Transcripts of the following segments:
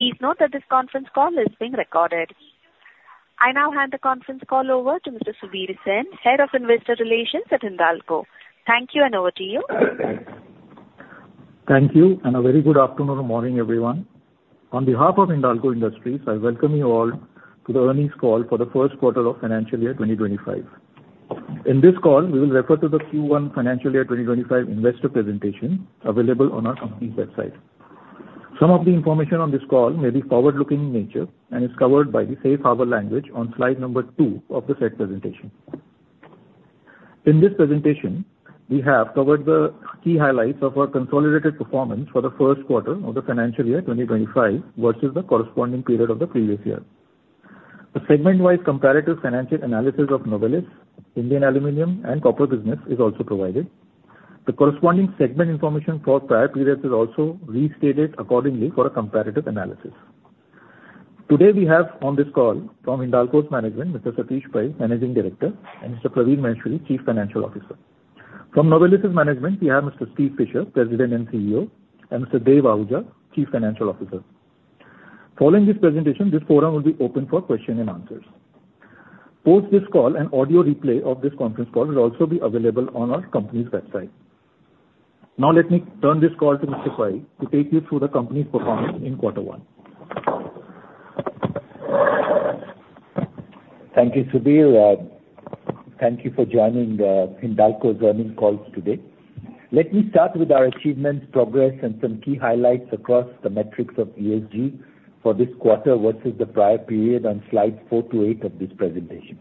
Please note that this Conference Call is being recorded. I now hand the Conference Call over to Mr. Subir Sen, Head of Investor Relations at Hindalco. Thank you, and over to you. Thank you, and a very good afternoon or morning, everyone. On behalf of Hindalco Industries, I welcome you all to the earnings call for the Q1 of financial year 2025. In this call, we will refer to the Q1 financial year 2025 investor presentation available on our company's website. Some of the information on this call may be forward-looking in nature and is covered by the safe harbor language on slide number 2 of the said presentation. In this presentation, we have covered the key highlights of our consolidated performance for the Q1 of the financial year 2025 versus the corresponding period of the previous year. A segment-wise comparative financial analysis of Novelis, Indian Aluminium, and Copper business is also provided. The corresponding segment information for prior periods is also restated accordingly for a comparative analysis. Today, we have on this call from Hindalco's management, Mr. Satish Pai, Managing Director, and Mr. Praveen Maheshwari, Chief Financial Officer. From Novelis' management, we have Mr. Steve Fisher, President and CEO, and Mr. Dev Ahuja, Chief Financial Officer. Following this presentation, this forum will be open for question and answers. Post this call, an audio replay of this Conference Call will also be available on our company's website. Now, let me turn this call to Mr. Pai to take you through the company's performance in quarter one. Thank you, Subir. Thank you for joining the Hindalco's earnings call today. Let me start with our achievements, progress, and some key highlights across the metrics of ESG for this quarter versus the prior period on slides 4 to 8 of this presentation.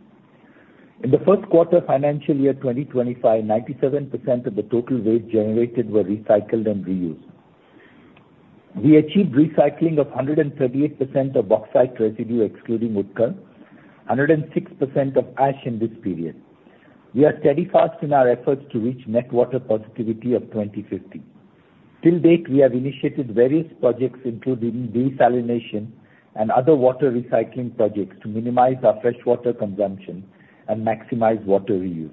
In the Q1 financial year 2025, 97% of the total waste generated were recycled and reused. We achieved recycling of 138% of bauxite residue, excluding Utkal, 106% of ash in this period. We are steady fast in our efforts to reach net water positivity of 2050. Till date, we have initiated various projects, including desalination and other water recycling projects, to minimize our freshwater consumption and maximize water reuse.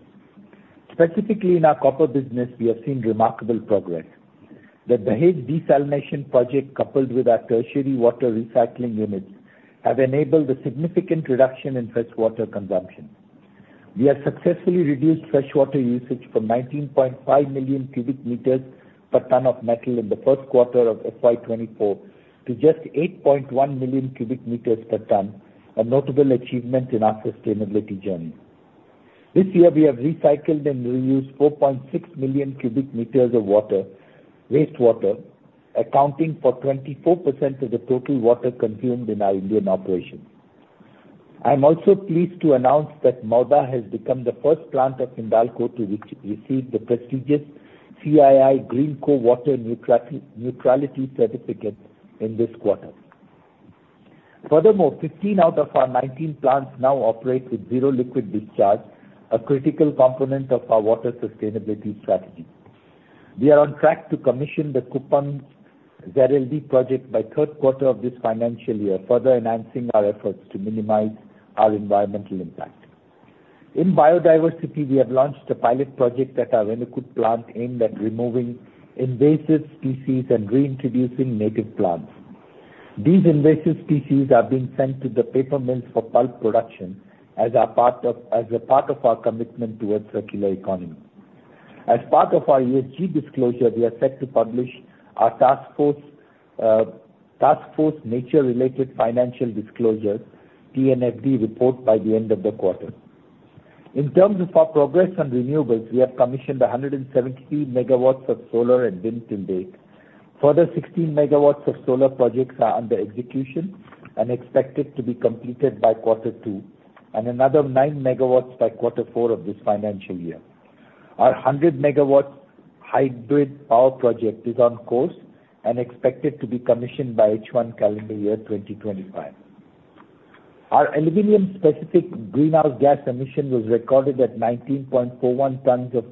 Specifically, in our copper business, we have seen remarkable progress. The Dahej desalination project, coupled with our tertiary water recycling units, have enabled a significant reduction in freshwater consumption. We have successfully reduced freshwater usage from 19.5 million cubic meters per ton of metal in the Q1 of FY 2024 to just 8.1 million cubic meters per ton, a notable achievement in our sustainability journey. This year, we have recycled and reused 4.6 million cubic meters of water, wastewater, accounting for 24% of the total water consumed in our Indian operations. I am also pleased to announce that Muri has become the first plant of Hindalco to which received the prestigious CII GreenCo Water Neutrality Certificate in this quarter. Furthermore, 15 out of our 19 plants now operate with zero liquid discharge, a critical component of our water sustainability strategy. We are on track to commission the Kuppam ZLD project by Q3 of this financial year, further enhancing our efforts to minimize our environmental impact. In biodiversity, we have launched a pilot project at our Renukut plant aimed at removing invasive species and reintroducing native plants. These invasive species are being sent to the paper mills for pulp production as a part of our commitment towards circular economy. As part of our ESG disclosure, we are set to publish our Taskforce on Nature-related Financial Disclosures, TNFD report, by the end of the quarter. In terms of our progress on renewables, we have commissioned 117 megawatts of solar and wind till date. Further 16 megawatts of solar projects are under execution and expected to be completed by quarter two, and another 9 megawatts by quarter four of this financial year. Our 100 megawatts hybrid power project is on course and expected to be commissioned by H1 calendar year 2025. Our aluminium-specific greenhouse gas emission was recorded at 19.41 tons of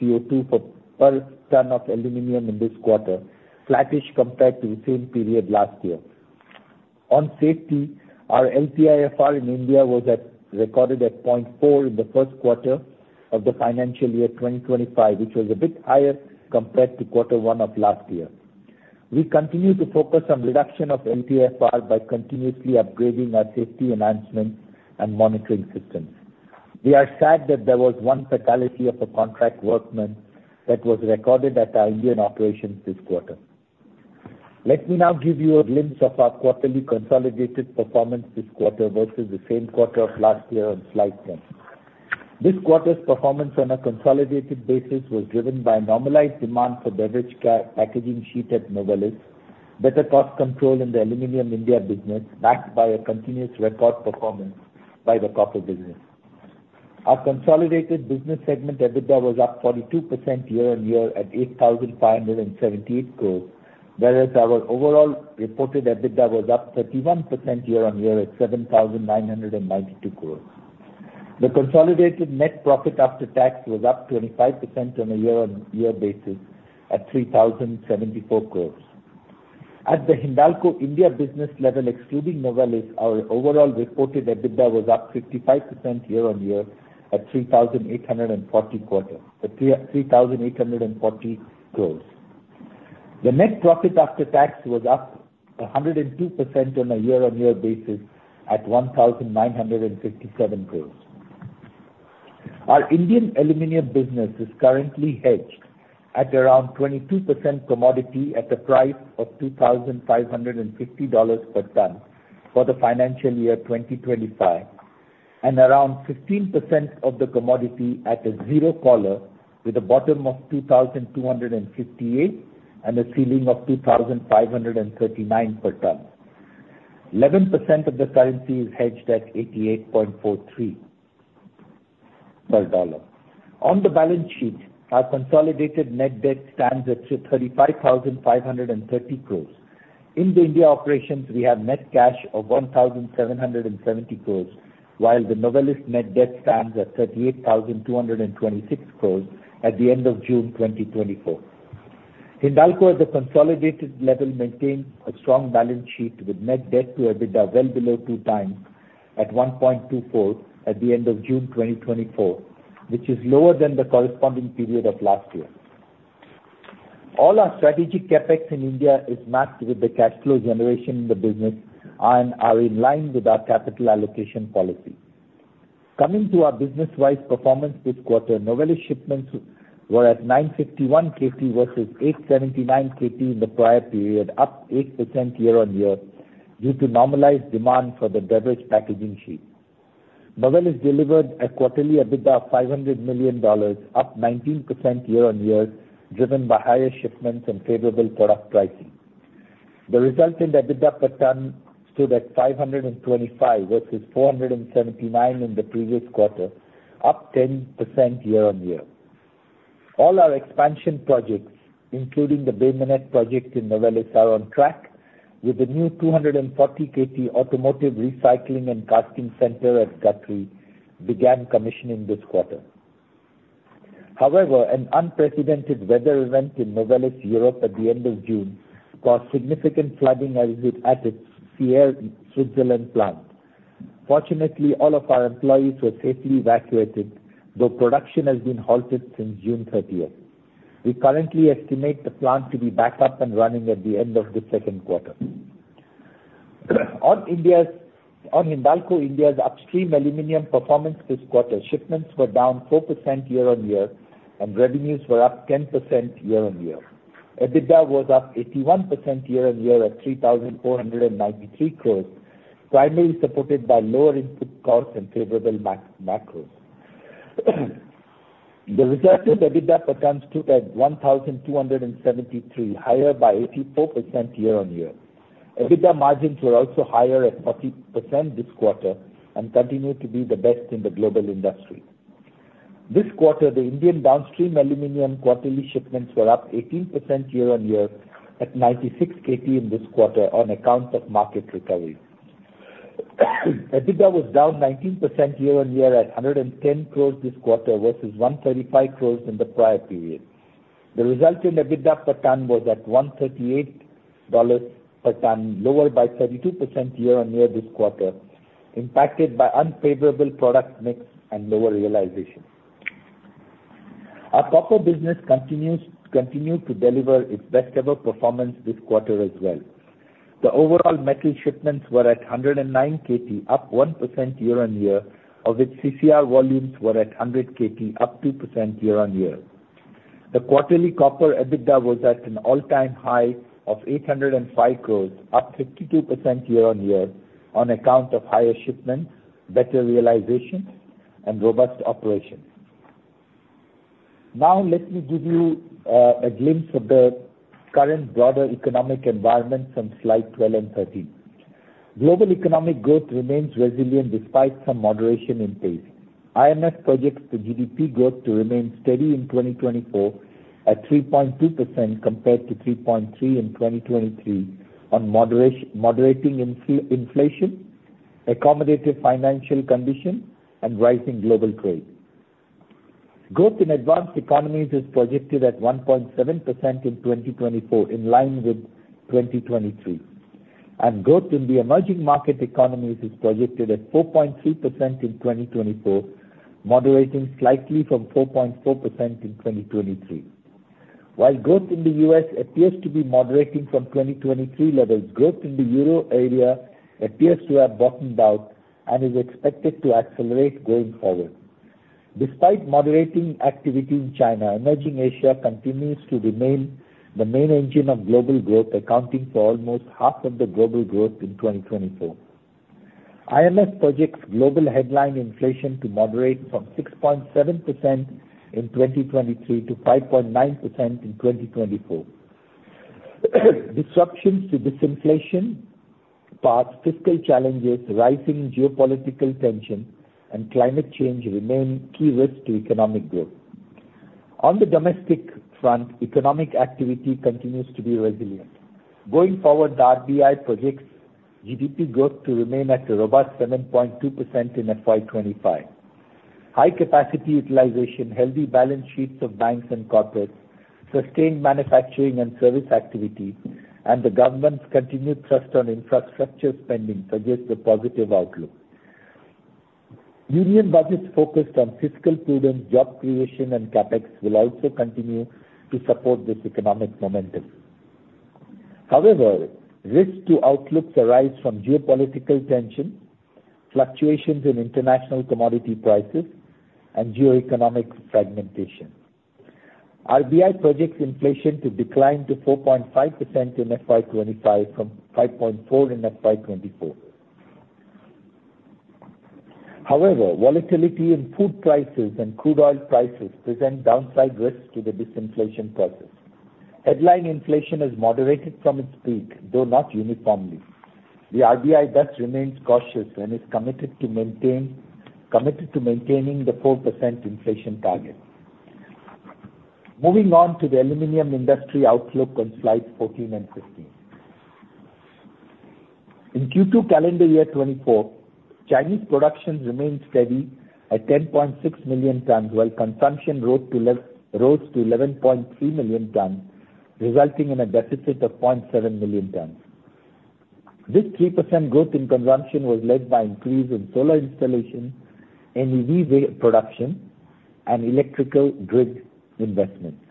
CO2 per ton of aluminium in this quarter, flattish compared to the same period last year. On safety, our LTIFR in India was at, recorded at 0.4 in the Q1 of the financial year 2025, which was a bit higher compared to quarter one of last year. We continue to focus on reduction of LTIFR by continuously upgrading our safety enhancement and monitoring systems. We are sad that there was one fatality of a contract workman that was recorded at our Indian operations this quarter. Let me now give you a glimpse of our quarterly consolidated performance this quarter versus the same quarter of last year on slide 10. This quarter's performance on a consolidated basis was driven by normalized demand for beverage can packaging sheet at Novelis, better cost control in the Aluminum India business, backed by a continuous record performance by the Copper business. Our consolidated business segment EBITDA was up 42% year-on-year at 8,578 crores, whereas our overall reported EBITDA was up 31% year-on-year at 7,992 crores. The consolidated net profit after tax was up 25% on a year-on-year basis at 3,074 crores. At the Hindalco India business level, excluding Novelis, our overall reported EBITDA was up 55% year-on-year at 3,840 crores. The net profit after tax was up 102% on a year-on-year basis at 1,957 crore. Our Indian aluminum business is currently hedged at around 22% commodity at a price of $2,550 per ton for the financial year 2025, and around 15% of the commodity at a zero collar, with a bottom of 2,258 and a ceiling of 2,539 per ton. 11% of the currency is hedged at 88.43 per dollar. On the balance sheet, our consolidated net debt stands at 35,530 crore. In the India operations, we have net cash of 1,770 crores, while the Novelis net debt stands at 38,226 crores at the end of June 2024. Hindalco, at the consolidated level, maintains a strong balance sheet, with net debt to EBITDA well below 2x at 1.24 at the end of June 2024, which is lower than the corresponding period of last year. All our strategic CapEx in India is matched with the cash flow generation in the business and are in line with our capital allocation policy. Coming to our business-wide performance this quarter, Novelis shipments were at 951 KT versus 879 KT in the prior period, up 8% year-on-year, due to normalized demand for the beverage packaging sheet. Novelis delivered a quarterly EBITDA of $500 million, up 19% year-on-year, driven by higher shipments and favorable product pricing. The result in the EBITDA per ton stood at 525 versus 479 in the previous quarter, up 10% year-on-year. All our expansion projects, including the Bay Minette project in Novelis, are on track, with the new 240 KT automotive recycling and casting center at Guthrie began commissioning this quarter. However, an unprecedented weather event in Novelis Europe at the end of June caused significant flooding at its Sierre, Switzerland plant. Fortunately, all of our employees were safely evacuated, though production has been halted since June 30. We currently estimate the plant to be back up and running at the end of the Q2. On Hindalco, India's upstream aluminum performance this quarter, shipments were down 4% year-on-year, and revenues were up 10% year-on-year. EBITDA was up 81% year-on-year at 3,493 crore, primarily supported by lower input costs and favorable macros. The resultant EBITDA per ton stood at 1,273, higher by 84% year-on-year. EBITDA margins were also higher at 40% this quarter and continued to be the best in the global industry. This quarter, the Indian downstream aluminum quarterly shipments were up 18% year-on-year at 96 KT in this quarter on account of market recovery. EBITDA was down 19% year-on-year at 110 crore this quarter, versus 135 crore in the prior period. The resulting EBITDA per ton was at $138 per ton, lower by 32% year-on-year this quarter, impacted by unfavorable product mix and lower realization. Our copper business continues, continued to deliver its best ever performance this quarter as well. The overall metal shipments were at 109 KT, up 1% year-on-year, of which CCR volumes were at 100 KT, up 2% year-on-year. The quarterly copper EBITDA was at an all-time high of 805 crore, up 52% year-on-year, on account of higher shipments, better realization, and robust operations. Now, let me give you a glimpse of the current broader economic environment from slide 12 and 13. Global economic growth remains resilient despite some moderation in pace. IMF projects the GDP growth to remain steady in 2024 at 3.2%, compared to 3.3% in 2023, on moderating inflation, accommodative financial condition, and rising global trade. Growth in advanced economies is projected at 1.7% in 2024, in line with 2023, and growth in the emerging market economies is projected at 4.3% in 2024, moderating slightly from 4.4% in 2023. While growth in the U.S. appears to be moderating from 2023 levels, growth in the Euro area appears to have bottomed out and is expected to accelerate going forward. Despite moderating activity in China, emerging Asia continues to remain the main engine of global growth, accounting for almost half of the global growth in 2024. IMF projects global headline inflation to moderate from 6.7% in 2023 to 5.9% in 2024. Disruptions to disinflation, past fiscal challenges, rising geopolitical tension, and climate change remain key risks to economic growth. On the domestic front, economic activity continues to be resilient. Going forward, the RBI projects GDP growth to remain at a robust 7.2% in FY 2025. High capacity utilization, healthy balance sheets of banks and corporates, sustained manufacturing and service activity, and the government's continued thrust on infrastructure spending suggest a positive outlook.... Union Budget focused on fiscal prudence, job creation, and CapEx will also continue to support this economic momentum. However, risks to outlooks arise from geopolitical tension, fluctuations in international commodity prices, and geoeconomic fragmentation. RBI projects inflation to decline to 4.5% in FY 2025 from 5.4% in FY 2024. However, volatility in food prices and crude oil prices present downside risks to the disinflation process. Headline inflation has moderated from its peak, though not uniformly. The RBI thus remains cautious and is committed to maintaining the 4% inflation target. Moving on to the aluminum industry outlook on slides 14 and 15. In Q2 calendar year 2024, Chinese production remained steady at 10.6 million tons, while consumption rose to 11.3 million tons, resulting in a deficit of 0.7 million tons. This 3% growth in consumption was led by increase in solar installation, and EV production, and electrical grid investments.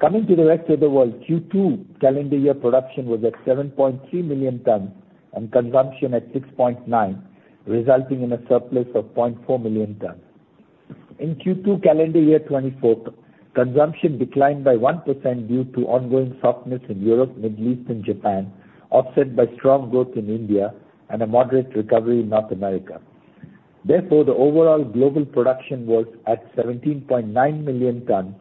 Coming to the rest of the world, Q2 calendar year production was at 7.3 million tons, and consumption at 6.9, resulting in a surplus of 0.4 million tons. In Q2 calendar year 2024, consumption declined by 1% due to ongoing softness in Europe, Middle East, and Japan, offset by strong growth in India and a moderate recovery in North America. Therefore, the overall global production was at 17.9 million tons,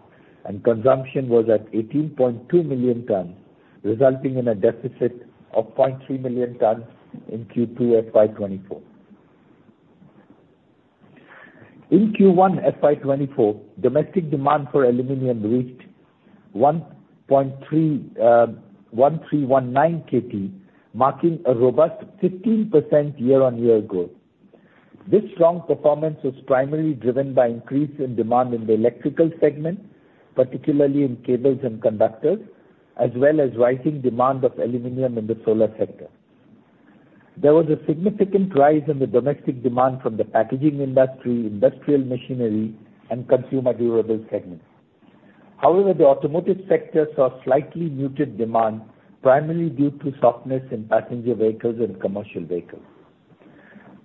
and consumption was at 18.2 million tons, resulting in a deficit of 0.3 million tons in Q2 FY 2024. In Q1 FY 2024, domestic demand for aluminum reached 1,319 KT, marking a robust 15% year-on-year growth. This strong performance was primarily driven by increase in demand in the electrical segment, particularly in cables and conductors, as well as rising demand of aluminum in the solar sector. There was a significant rise in the domestic demand from the packaging industry, industrial machinery, and consumer durables segments. However, the automotive sector saw slightly muted demand, primarily due to softness in passenger vehicles and commercial vehicles.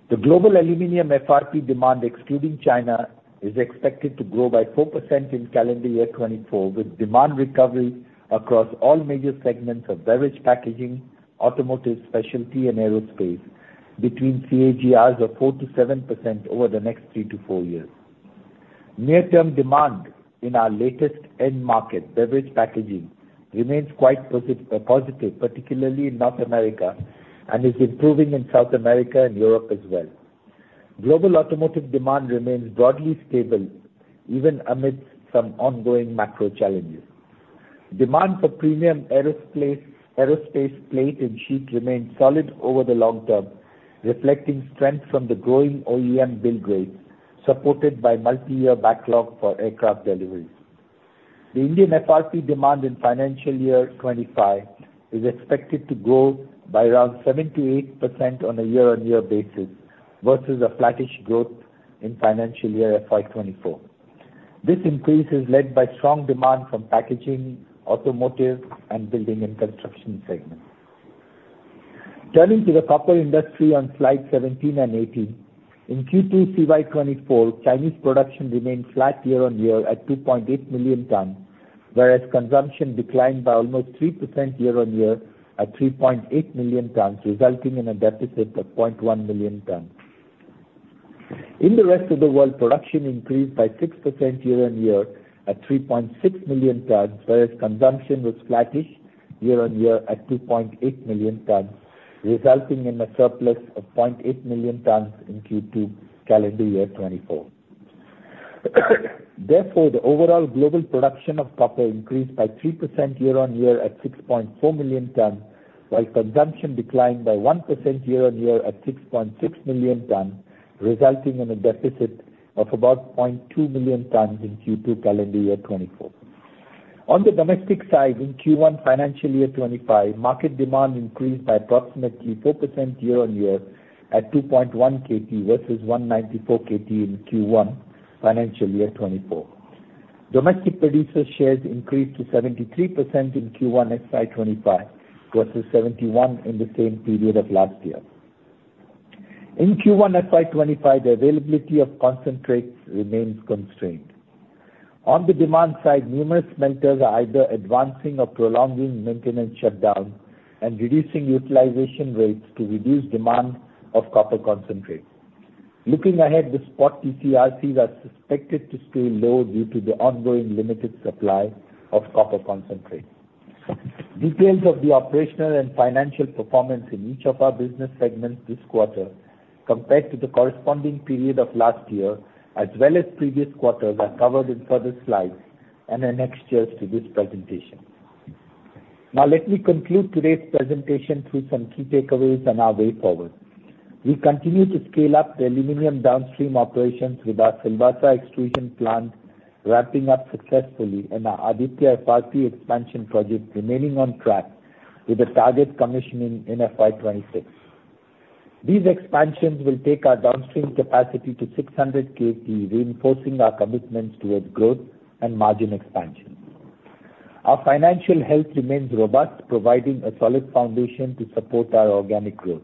The global aluminum FRP demand, excluding China, is expected to grow by 4% in calendar year 2024, with demand recovery across all major segments of beverage packaging, automotive, specialty, and aerospace between CAGRs of 4%-7% over the next three to four years. Near-term demand in our latest end market, beverage packaging, remains quite positive, particularly in North America, and is improving in South America and Europe as well. Global automotive demand remains broadly stable, even amidst some ongoing macro challenges. Demand for premium aerospace, aerospace plate and sheet remains solid over the long term, reflecting strength from the growing OEM build grades, supported by multi-year backlog for aircraft deliveries. The Indian FRP demand in financial year 25 is expected to grow by around 78% on a year-on-year basis versus a flattish growth in financial year FY 2024. This increase is led by strong demand from packaging, automotive, and building and construction segments. Turning to the copper industry on slides 17 and 18. In Q2 CY 2024, Chinese production remained flat year-on-year at 2.8 million tons, whereas consumption declined by almost 3% year-on-year at 3.8 million tons, resulting in a deficit of 0.1 million tons. In the rest of the world, production increased by 6% year-on-year at 3.6 million tons, whereas consumption was flattish year-on-year at 2.8 million tons, resulting in a surplus of 0.8 million tons in Q2 calendar year 2024. Therefore, the overall global production of copper increased by 3% year-on-year at 6.4 million tons, while consumption declined by 1% year-on-year at 6.6 million tons, resulting in a deficit of about 0.2 million tons in Q2 calendar year 2024. On the domestic side, in Q1 financial year 2025, market demand increased by approximately 4% year-on-year at 201 KT versus 194 KT in Q1 financial year 2024. Domestic producer shares increased to 73% in Q1 FY 2025 versus 71 in the same period of last year. In Q1 FY 2025, the availability of concentrates remains constrained. On the demand side, numerous smelters are either advancing or prolonging maintenance shutdowns and reducing utilization rates to reduce demand of copper concentrate. Looking ahead, the spot TC/RCs are suspected to stay low due to the ongoing limited supply of copper concentrate. Details of the operational and financial performance in each of our business segments this quarter, compared to the corresponding period of last year, as well as previous quarters, are covered in further slides and are annexed here to this presentation. Now, let me conclude today's presentation through some key takeaways and our way forward. We continue to scale up the aluminum downstream operations with our Silvassa extrusion plant ramping up successfully and our Aditya FRP expansion project remaining on track, with a target commissioning in FY 2026. These expansions will take our downstream capacity to 600 KT, reinforcing our commitment towards growth and margin expansion. Our financial health remains robust, providing a solid foundation to support our organic growth.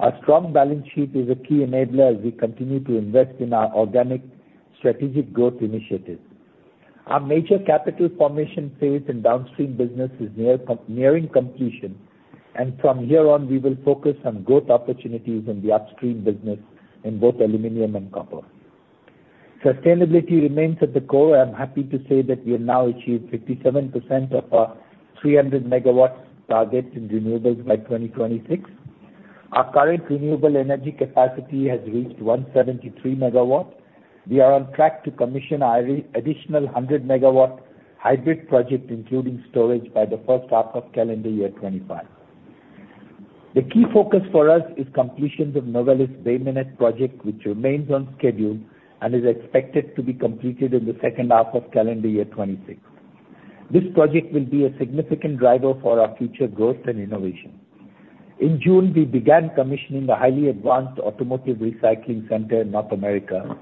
Our strong balance sheet is a key enabler as we continue to invest in our organic strategic growth initiatives. Our major capital formation phase in downstream business is nearing completion, and from here on, we will focus on growth opportunities in the upstream business in both aluminum and copper. Sustainability remains at the core. I'm happy to say that we have now achieved 57% of our 300 MW target in renewables by 2026. Our current renewable energy capacity has reached 173 MW. We are on track to commission an additional 100 MW hybrid project, including storage, by the first half of calendar year 2025. The key focus for us is completion of Novelis Bay Minette project, which remains on schedule and is expected to be completed in the second half of calendar year 2026. This project will be a significant driver for our future growth and innovation. In June, we began commissioning the highly advanced automotive recycling center in North America,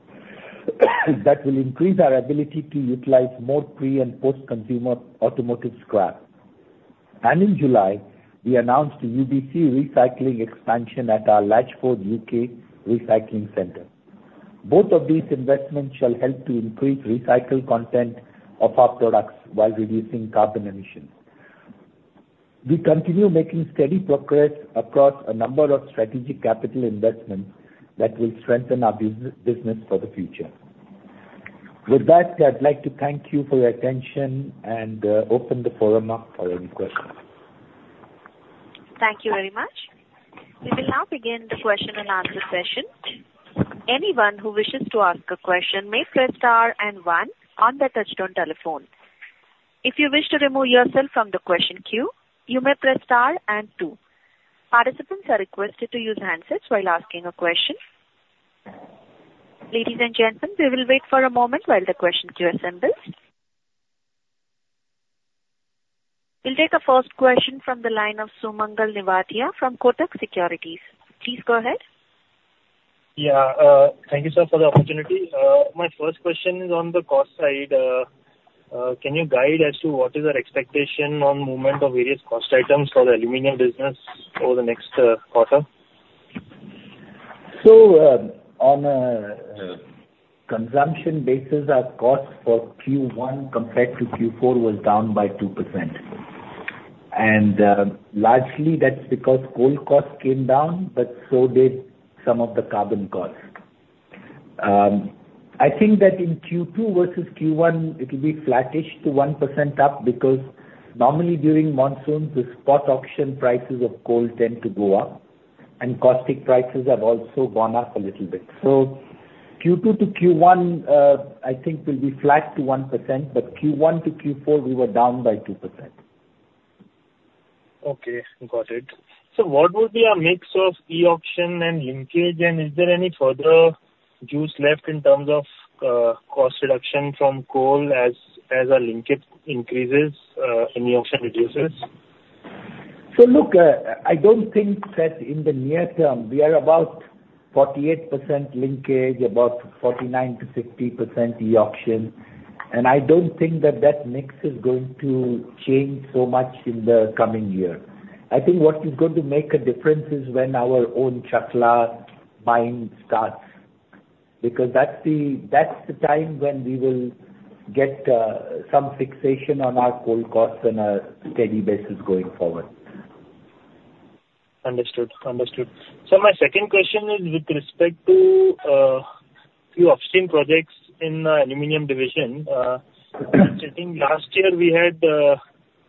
that will increase our ability to utilize more pre- and post-consumer automotive scrap. In July, we announced a UBC recycling expansion at our Latchford, U.K., recycling center. Both of these investments shall help to increase recycled content of our products while reducing carbon emissions. We continue making steady progress across a number of strategic capital investments that will strengthen our business for the future. With that, I'd like to thank you for your attention and open the forum up for any questions. Thank you very much. We will now begin the question and answer session. Anyone who wishes to ask a question may press star and one on their touchtone telephone. If you wish to remove yourself from the question queue, you may press star and two. Participants are requested to use handsets while asking a question. Ladies and gentlemen, we will wait for a moment while the question queue assembles. We'll take the first question from the line of Sumangal Nevatia from Kotak Securities. Please go ahead. Yeah, thank you, sir, for the opportunity. My first question is on the cost side. Can you guide as to what is our expectation on movement of various cost items for the aluminum business over the next quarter? So, on a consumption basis, our cost for Q1 compared to Q4 was down by 2%. And, largely, that's because coal costs came down, but so did some of the carbon costs. I think that in Q2 versus Q1, it'll be flattish to 1% up, because normally, during monsoons, the spot auction prices of coal tend to go up, and caustic prices have also gone up a little bit. So Q2 to Q1, I think will be flat to 1%, but Q1 to Q4, we were down by 2%. Okay, got it. So what would be our mix of e-auction and linkage, and is there any further juice left in terms of cost reduction from coal as our linkage increases and e-auction reduces? So look, I don't think that in the near term. We are about 48% linkage, about 49%-50% e-auction, and I don't think that that mix is going to change so much in the coming year. I think what is going to make a difference is when our own Chakla mine starts, because that's the, that's the time when we will get some fixation on our coal costs on a steady basis going forward. Understood. Understood. So my second question is with respect to your upstream projects in the aluminum division. I think last year we had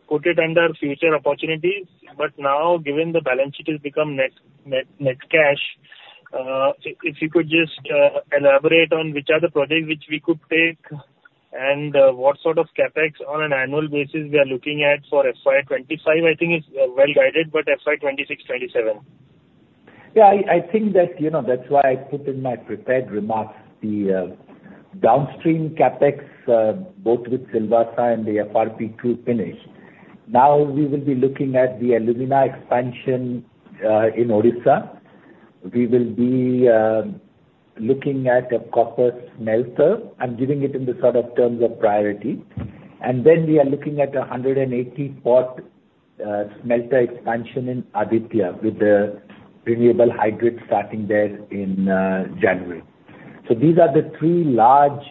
put it under future opportunities, but now, given the balance sheet has become net, net, net cash, if, if you could just elaborate on which are the projects which we could take, and what sort of CapEx on an annual basis we are looking at for FY 25, I think it's well guided, but FY 26, 27. Yeah, I think that, you know, that's why I put in my prepared remarks the downstream CapEx both with Silvassa and the FRP to finish. Now, we will be looking at the alumina expansion in Odisha. We will be looking at a copper smelter. I'm giving it in the sort of terms of priority. And then we are looking at a 180-pot smelter expansion in Aditya, with the renewable hybrid starting there in January. So these are the three large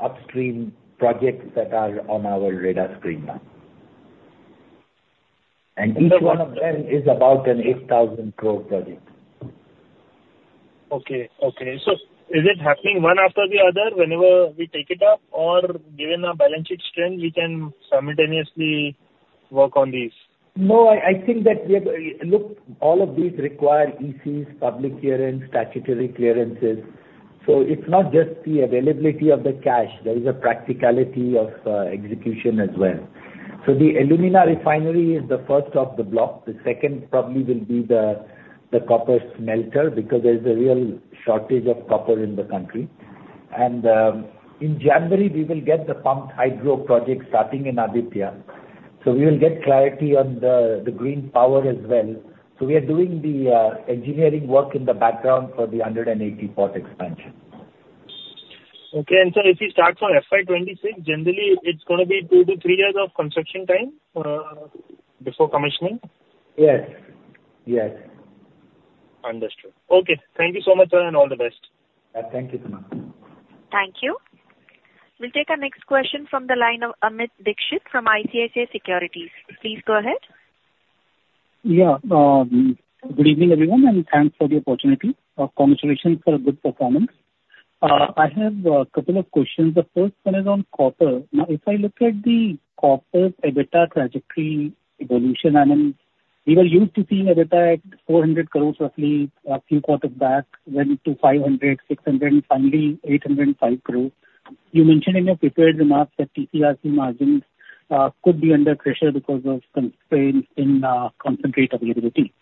upstream projects that are on our radar screen now. And each one of them is about an 8,000 crore project. Okay. Okay. So is it happening one after the other whenever we take it up, or given our balance sheet strength, we can simultaneously work on these? No, I think that we have... look, all of these require ECs, public clearance, statutory clearances, so it's not just the availability of the cash. There is a practicality of execution as well. So the alumina refinery is the first off the block. The second probably will be the copper smelter, because there's a real shortage of copper in the country. And in January, we will get the pumped hydro project starting in Aditya. So we will get clarity on the green power as well. So we are doing the engineering work in the background for the 180 pot expansion. Okay. And so if you start from FY 2026, generally, it's going to be 2-3 years of construction time before commissioning? Yes. Yes. Understood. Okay. Thank you so much, sir, and all the best. Thank you, Sumangal. Thank you. We'll take our next question from the line of Amit Dixit from ICICI Securities. Please go ahead. Yeah, good evening, everyone, and thanks for the opportunity. Congratulations for a good performance. I have a couple of questions. The first one is on copper. Now, if I look at the copper EBITDA trajectory evolution, I mean, we were used to seeing EBITDA at 400 crore roughly a few quarters back, went to 500 crore, 600 crore, finally, 805 crore. You mentioned in your prepared remarks that TCRC margins could be under pressure because of constraints in concentrate availability.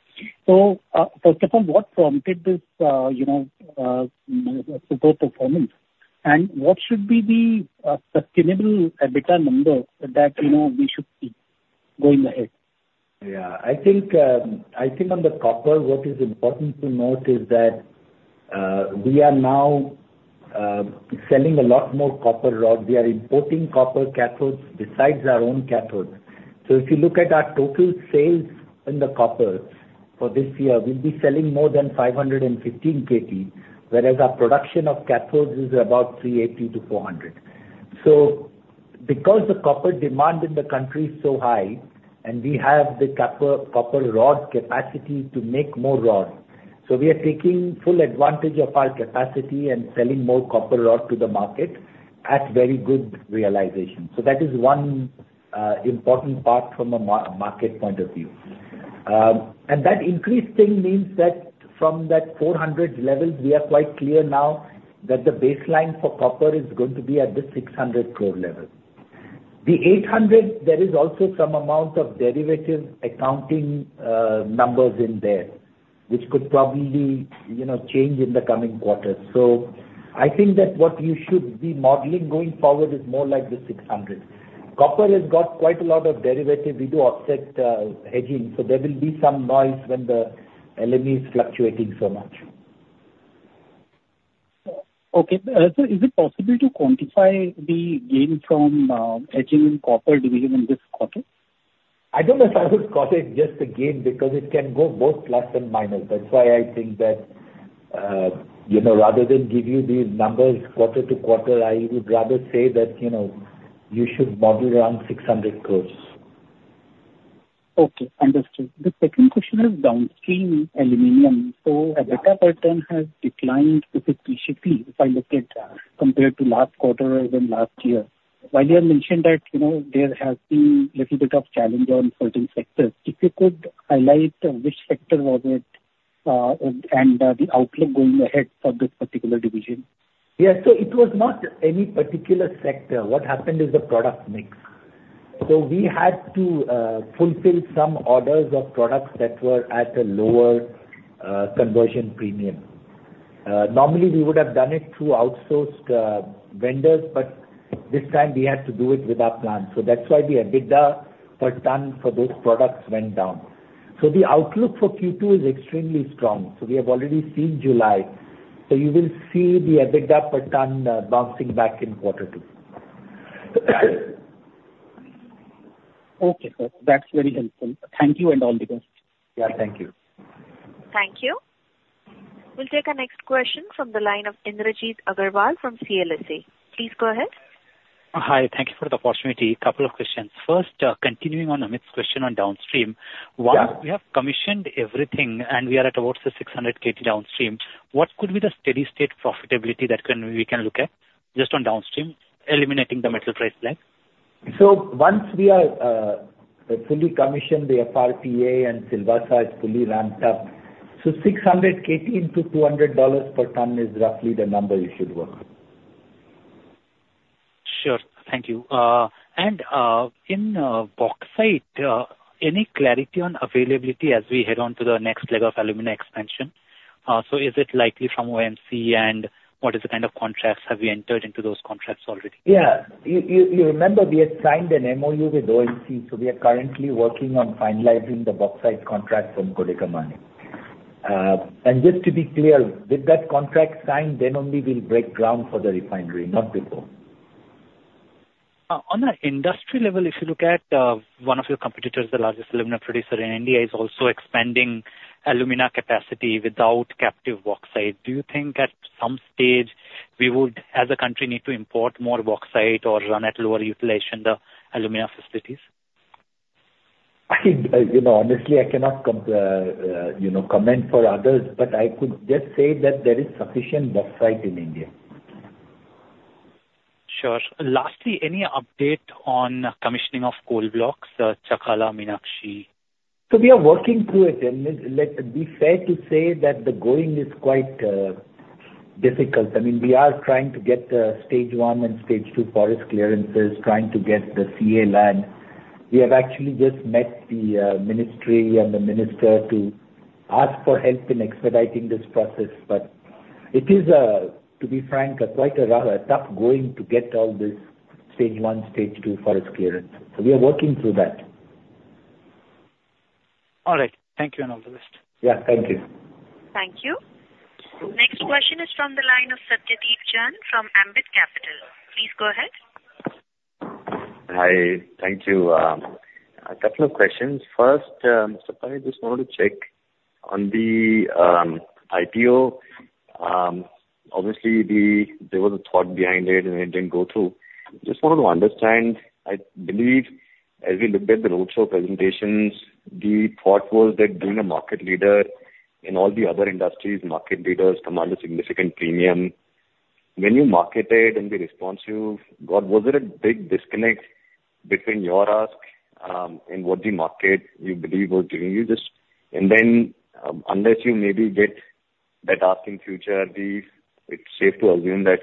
So, first of all, what prompted this, you know, poor performance? And what should be the sustainable EBITDA number that, you know, we should see going ahead? Yeah. I think on the copper, what is important to note is that we are now selling a lot more copper rod. We are importing copper cathodes besides our own cathodes. So if you look at our total sales in the copper for this year, we'll be selling more than 515 KT, whereas our production of cathodes is about 380-400. So because the copper demand in the country is so high, and we have the copper rod capacity to make more rod, so we are taking full advantage of our capacity and selling more copper rod to the market at very good realization. So that is one important part from a market point of view. And that increasing means that from that 400 levels, we are quite clear now that the baseline for copper is going to be at the 600 crore level. The 800, there is also some amount of derivative accounting, numbers in there, which could probably, you know, change in the coming quarters. So I think that what you should be modeling going forward is more like the 600. Copper has got quite a lot of derivative. We do offset, hedging, so there will be some noise when the LME is fluctuating so much. Okay. Sir, is it possible to quantify the gain from hedging in copper division in this quarter? I don't know if I would call it just a gain, because it can go both plus and minus. That's why I think that, you know, rather than give you these numbers quarter to quarter, I would rather say that, you know, you should model around 600 crore. Okay, understood. The second question is downstream aluminium. So EBITDA per ton has declined significantly if I look at, compared to last quarter or even last year. While you have mentioned that, you know, there has been little bit of challenge on certain sectors, if you could highlight which sector was it, and, and, the outlook going ahead for this particular division? Yeah. So it was not any particular sector. What happened is the product mix. So we had to fulfill some orders of products that were at a lower conversion premium. Normally, we would have done it through outsourced vendors, but this time we had to do it with our plant. So that's why the EBITDA per ton for those products went down. So the outlook for Q2 is extremely strong, so we have already seen July. So you will see the EBITDA per ton bouncing back in quarter two. Okay, sir. That's very helpful. Thank you, and all the best. Yeah, thank you. Thank you. We'll take our next question from the line of Indrajeet Agarwal from CLSA. Please go ahead. Hi. Thank you for the opportunity. Couple of questions. First, continuing on Amit's question on downstream- Yeah. Once we have commissioned everything and we are at about the 600 KT downstream, what could be the steady state profitability that can, we can look at, just on downstream, eliminating the metal price lag? So once we are fully commissioned, the FRP at Silvassa is fully ramped up, so 600 KT into $200 per ton is roughly the number you should work. Sure. Thank you. And, in, bauxite, any clarity on availability as we head on to the next leg of alumina expansion? So is it likely from OMC, and what is the kind of contracts? Have you entered into those contracts already? Yeah. You remember we had signed an MOU with OMC, so we are currently working on finalizing the bauxite contract from Kodingamali. And just to be clear, with that contract signed, then only we'll break ground for the refinery, not before. On an industry level, if you look at one of your competitors, the largest alumina producer in India, is also expanding alumina capacity without captive bauxite. Do you think at some stage we would, as a country, need to import more bauxite or run at lower utilization the alumina facilities? I, you know, honestly, I cannot, you know, comment for others, but I could just say that there is sufficient bauxite in India. Sure. Lastly, any update on commissioning of coal blocks, Chakla, Meenakshi? So we are working through it, and let's be fair to say that the going is quite difficult. I mean, we are trying to get stage one and stage two forest clearances, trying to get the CA land. We have actually just met the ministry and the minister to ask for help in expediting this process, but it is, to be frank, a quite a rather tough going to get all this stage one, stage two forest clearance. So we are working through that. All right. Thank you, and all the best. Yeah, thank you. Thank you. Next question is from the line of Satyadeep Jain from Ambit Capital. Please go ahead. Hi, thank you. A couple of questions. First, Mr. Pai, just wanted to check on the IPO. Obviously, there was a thought behind it, and it didn't go through. Just wanted to understand, I believe as we looked at the roadshow presentations, the thought was that being a market leader in all the other industries, market leaders command a significant premium. When you marketed and the response you got, was there a big disconnect between your ask, and what the market you believe was giving you? And then, unless you maybe get that ask in future, it's safe to assume that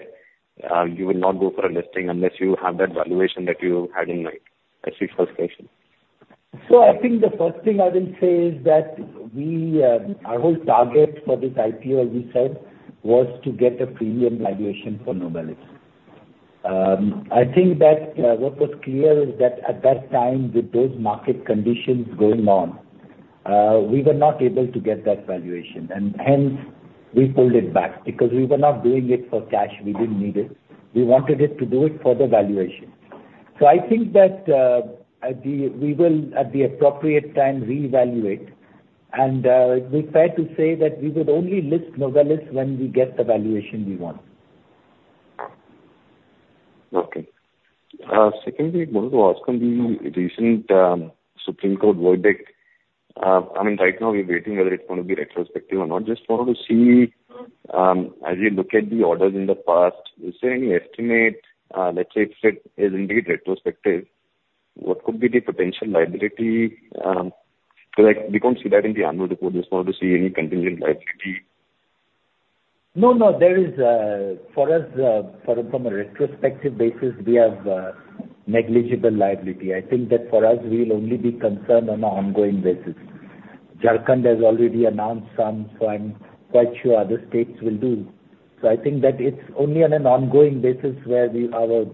you will not go for a listing unless you have that valuation that you had in mind. That's the first question. So I think the first thing I will say is that we, our whole target for this IPO, as we said, was to get a premium valuation for Novelis. I think that what was clear is that at that time, with those market conditions going on, we were not able to get that valuation. And hence, we pulled it back because we were not doing it for cash, we didn't need it. We wanted it to do it for the valuation. So I think that we will, at the appropriate time, reevaluate. And it's fair to say that we would only list Novelis when we get the valuation we want. Okay. Secondly, I wanted to ask on the recent Supreme Court verdict. I mean, right now, we're waiting whether it's going to be retrospective or not. Just wanted to see, as you look at the orders in the past, is there any estimate, let's say, if it is indeed retrospective, what could be the potential liability? So that we don't see that in the annual report, just want to see any contingent liability. No, no, there is, for us, from a retrospective basis, we have, negligible liability. I think that for us, we will only be concerned on an ongoing basis. Jharkhand has already announced some, so I'm quite sure other states will do. So I think that it's only on an ongoing basis where we, our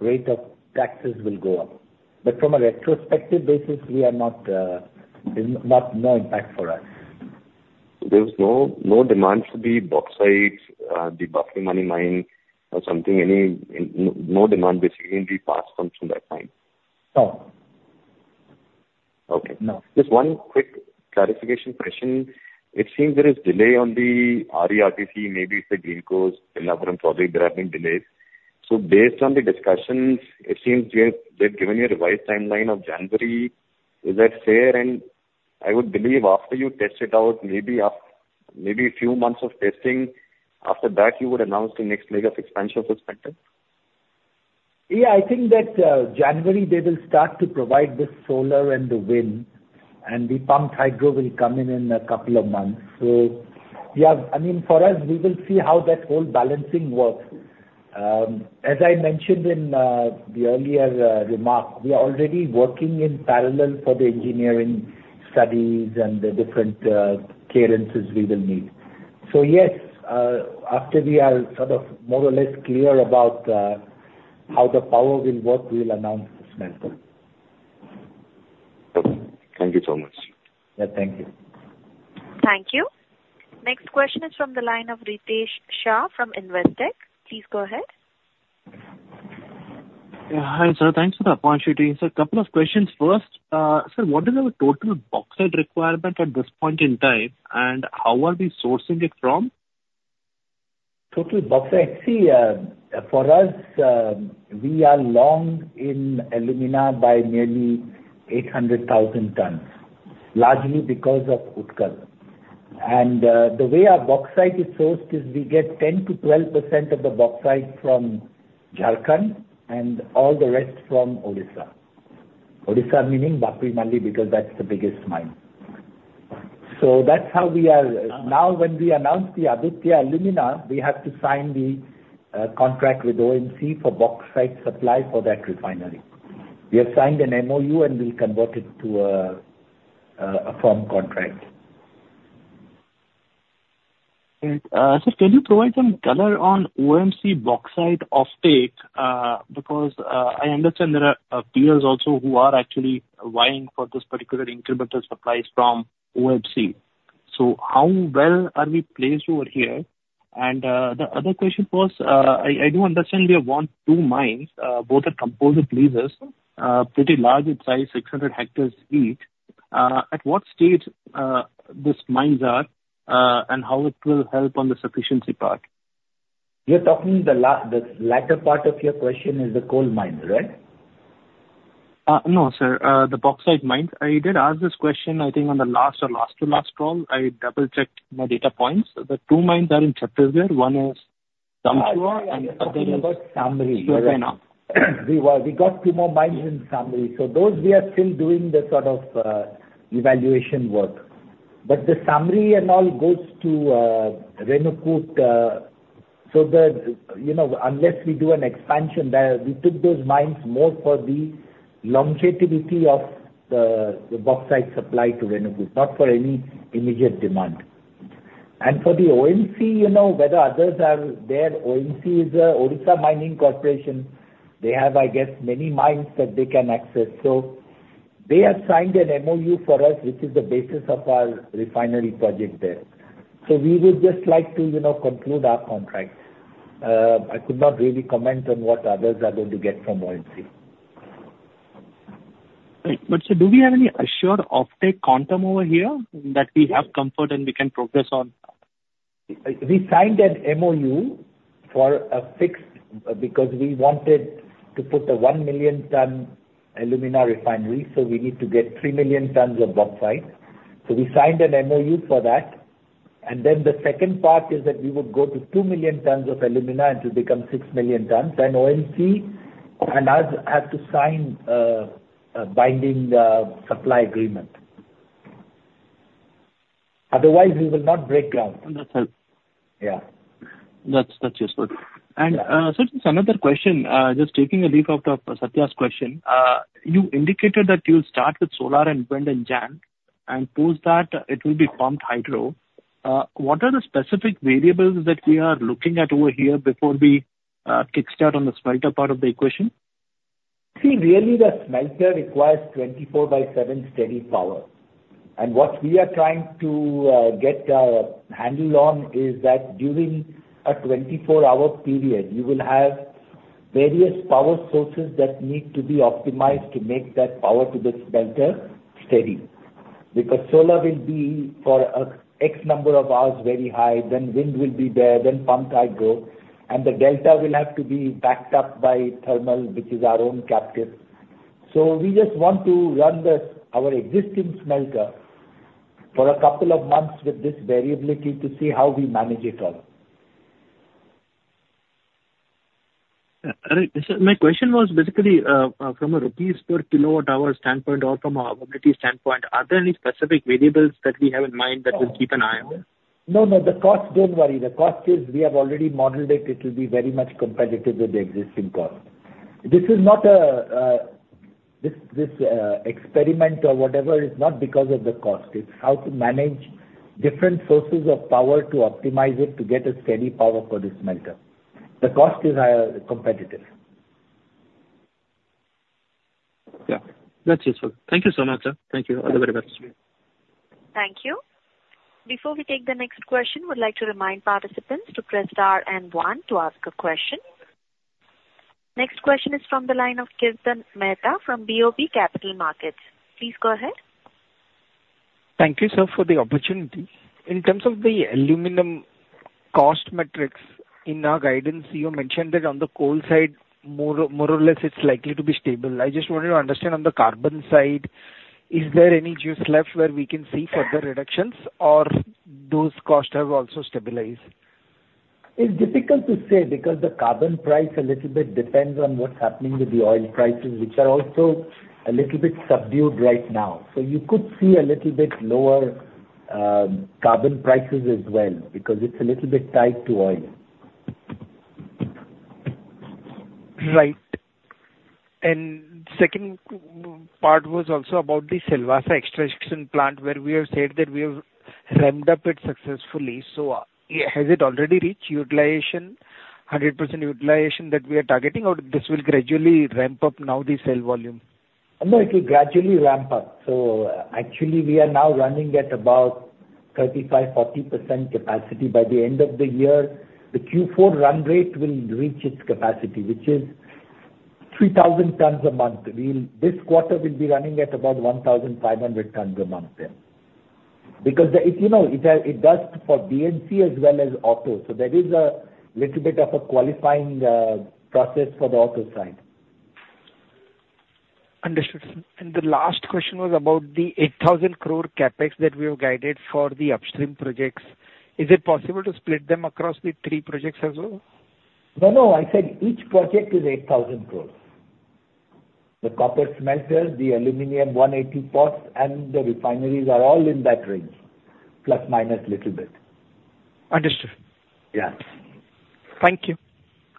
rate of taxes will go up. But from a retrospective basis, we are not, there's not no impact for us. There's no, no demand for the bauxite, the Baphlimali mine or something, any, no demand basically in the past coming from that mine? No. Okay. No. Just one quick clarification question. It seems there is delay on the RE RTC, maybe it's the Greenko's Pinnapuram project, there have been delays. So based on the discussions, it seems they've given you a revised timeline of January. Is that fair? And I would believe after you test it out, maybe a few months of testing, after that, you would announce the next leg of expansion for Spectrum? Yeah, I think that, January, they will start to provide the solar and the wind, and the pumped hydro will come in in a couple of months. So yeah, I mean, for us, we will see how that whole balancing works. As I mentioned in the earlier remark, we are already working in parallel for the engineering studies and the different clearances we will need. So yes, after we are sort of more or less clear about how the power will work, we'll announce the semester. Okay. Thank you so much. Yeah, thank you. Thank you. Next question is from the line of Ritesh Shah from Investec. Please go ahead. Yeah. Hi, sir. Thanks for the opportunity. So a couple of questions. First, sir, what is our total bauxite requirement at this point in time, and how are we sourcing it from? Total bauxite. See, for us, we are long in alumina by nearly 800,000 tons, largely because of Utkal. And, the way our bauxite is sourced is we get 10%-12% of the bauxite from Jharkhand and all the rest from Odisha. Odisha meaning Baphlimali, because that's the biggest mine. So that's how we are... Now, when we announce the Aditya Alumina, we have to sign the, contract with OMC for bauxite supply for that refinery. We have signed an MOU, and we'll convert it to a, a firm contract. Sir, can you provide some color on OMC bauxite offtake? Because, I understand there are peers also who are actually vying for this particular incremental supplies from OMC. So how well are we placed over here? The other question was, I do understand we have won two mines. Both are composite leases, pretty large in size, 600 hectares each. At what stage these mines are, and how it will help on the sufficiency part? You're talking the latter part of your question is the coal mine, right? No, sir, the bauxite mines. I did ask this question, I think, on the last or last to last call. I double-checked my data points. The two mines are in Chhattisgarh. One is Jamtupani, and the other is-... Samri. Okay, now. We got two more mines in Samri. So those, we are still doing the sort of evaluation work. But the Samri and all goes to Renukut. So, you know, unless we do an expansion there, we took those mines more for the longevity of the bauxite supply to Renukut, not for any immediate demand. And for the OMC, you know, whether others are there, OMC is a Odisha Mining Corporation. They have, I guess, many mines that they can access. So they have signed an MOU for us, which is the basis of our refinery project there. So we would just like to, you know, conclude our contract. I could not really comment on what others are going to get from OMC. Right. But sir, do we have any assured offtake quantum over here, that we have comfort and we can progress on? We signed an MOU for a fixed, because we wanted to put a 1-million-ton alumina refinery, so we need to get 3 million tons of bauxite. So we signed an MOU for that, and then the second part is that we would go to 2 million tons of alumina to become 6 million tons, then OMC and us have to sign a binding supply agreement. Otherwise, we will not break ground. Understood. Yeah. That's useful. And, so just another question, just taking a leaf out of Satya's question. You indicated that you'll start with solar and wind in January, and post that, it will be pumped hydro. What are the specific variables that we are looking at over here before we kickstart on the smelter part of the equation? See, really, the smelter requires 24/7 steady power. And what we are trying to get a handle on is that during a 24-hour period, you will have various power sources that need to be optimized to make that power to the smelter steady. Because solar will be for X number of hours very high, then wind will be there, then pumped hydro, and the delta will have to be backed up by thermal, which is our own captive. So we just want to run our existing smelter for a couple of months with this variability to see how we manage it all. Sir, my question was basically, from a rupees per kilowatt hour standpoint or from a profitability standpoint, are there any specific variables that we have in mind that we'll keep an eye on? No, no, the cost, don't worry. The cost is, we have already modeled it. It will be very much competitive with the existing cost. This experiment or whatever is not because of the cost. It's how to manage different sources of power to optimize it to get a steady power for the smelter. The cost is competitive. Yeah, that's useful. Thank you so much, sir. Thank you. All the very best. Thank you. Before we take the next question, would like to remind participants to press star and one to ask a question. Next question is from the line of Kirtan Mehta from BOB Capital Markets. Please go ahead. Thank you, sir, for the opportunity. In terms of the aluminum cost metrics, in our guidance, you mentioned that on the coal side, more, more or less, it's likely to be stable. I just wanted to understand on the carbon side, is there any juice left where we can see further reductions, or those costs have also stabilized? It's difficult to say, because the carbon price a little bit depends on what's happening with the oil prices, which are also a little bit subdued right now. So you could see a little bit lower carbon prices as well, because it's a little bit tied to oil. Right. And second part was also about the Silvassa extrusion plant, where we have said that we have ramped up it successfully. So, has it already reached utilization, 100% utilization that we are targeting, or this will gradually ramp up now the sale volume? No, it will gradually ramp up. So actually, we are now running at about 35%-40% capacity. By the end of the year, the Q4 run rate will reach its capacity, which is 3,000 tons a month. We'll. This quarter will be running at about 1,500 tons a month then. Because it, you know, it does for B&C as well as auto, so there is a little bit of a qualifying process for the auto side. Understood. And the last question was about the 8,000 crore CapEx that we have guided for the upstream projects. Is it possible to split them across the three projects as well? No, no, I said each project is 8,000 crore. The copper smelter, the aluminium one at Aditya, and the refineries are all in that range, plus, minus little bit. Understood. Yeah. Thank you.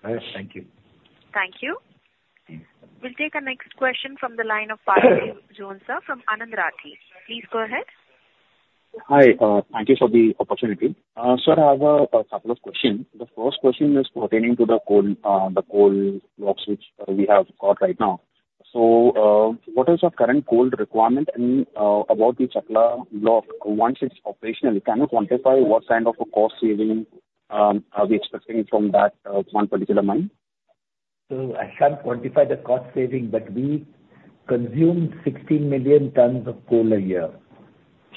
All right. Thank you. Thank you. We'll take our next question from the line of Parthiv Jhonsa from Anand Rathi. Please go ahead. Hi, thank you for the opportunity. Sir, I have a couple of questions. The first question is pertaining to the coal, the coal blocks, which we have got right now. So, what is our current coal requirement and, about the Chakla block, once it's operational, can you quantify what kind of a cost saving are we expecting from that, one particular mine? I can't quantify the cost saving, but we consume 16 million tons of coal a year.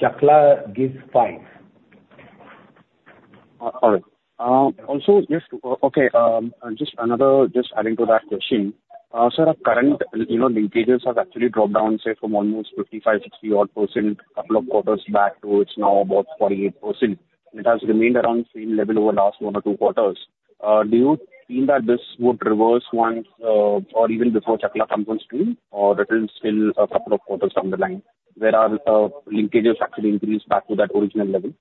Chakla gives 5. All right. Also, just another... Just adding to that question. Sir, our current, you know, linkages have actually dropped down, say, from almost 55-60-odd% couple of quarters back to it's now about 48%. It has remained around same level over last 1 or 2 quarters. Do you feel that this would reverse once, or even before Chakla comes on stream, or it is still a couple of quarters down the line, where our linkages actually increase back to that original level?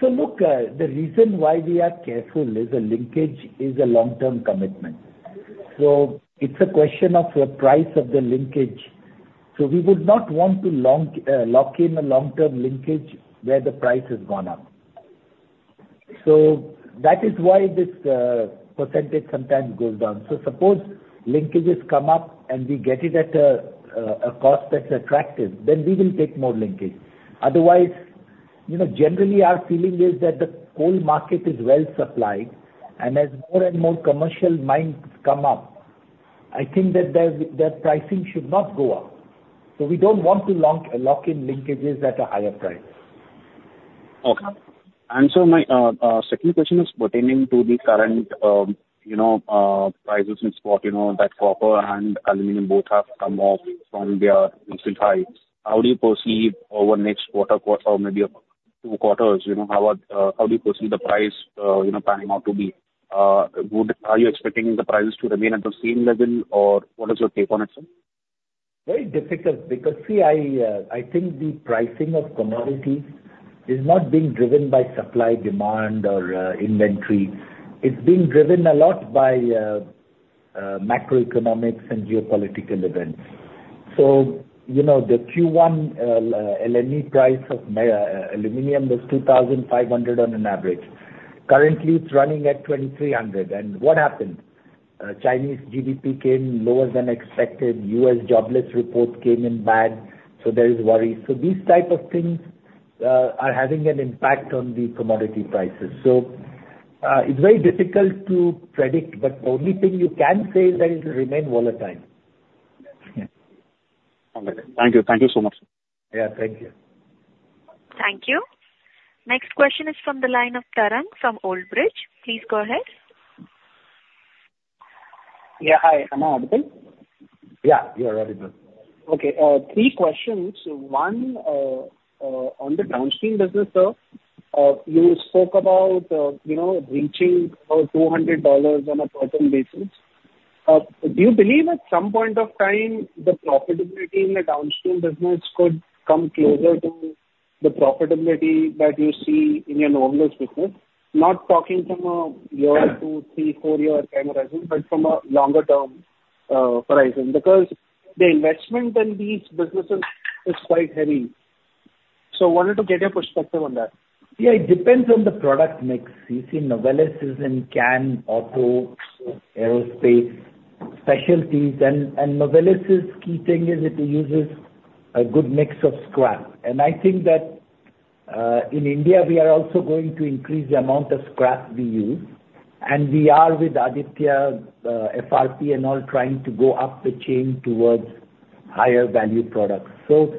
So look, the reason why we are careful is a linkage is a long-term commitment. So it's a question of the price of the linkage. So we would not want to lock in a long-term linkage where the price has gone up. So that is why this percentage sometimes goes down. So suppose linkages come up and we get it at a cost that's attractive, then we will take more linkage. Otherwise, you know, generally, our feeling is that the coal market is well supplied, and as more and more commercial mines come up, I think that their pricing should not go up. So we don't want to lock in linkages at a higher price. Okay. And so my second question is pertaining to the current, you know, prices in spot, you know, that copper and aluminum both have come off from their recent highs. How do you perceive over next quarter or maybe two quarters, you know, how are, how do you perceive the price, you know, panning out to be? Are you expecting the prices to remain at the same level, or what is your take on it, sir? Very difficult, because, see, I, I think the pricing of commodities is not being driven by supply, demand, or, inventory. It's being driven a lot by, macroeconomics and geopolitical events. So, you know, the Q1 LME price of, aluminum was $2,500 on an average. Currently, it's running at $2,300, and what happened? Chinese GDP came lower than expected. U.S. jobless reports came in bad, so there is worry. So these type of things, are having an impact on the commodity prices. So, it's very difficult to predict, but the only thing you can say is that it will remain volatile. Okay. Thank you. Thank you so much. Yeah, thank you. Thank you. Next question is from the line of Tarang from Old Bridge. Please go ahead. Yeah, hi. Am I audible? Yeah, you are audible. Okay, three questions. One, on the downstream business, sir, you spoke about, you know, reaching $200 on a per ton basis. Do you believe at some point of time, the profitability in the downstream business could come closer to the profitability that you see in your Novelis business? Not talking from a year or two, three, four-year time horizon, but from a longer-term horizon, because the investment in these businesses is quite heavy. So wanted to get your perspective on that. Yeah, it depends on the product mix. You see, Novelis is in can, auto, aerospace, specialties, and Novelis' key thing is it uses a good mix of scrap. I think that, in India, we are also going to increase the amount of scrap we use, and we are with Aditya, FRP and all, trying to go up the chain towards higher value products. So